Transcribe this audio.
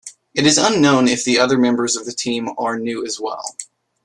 It is unknown if the other members of the team are new as well.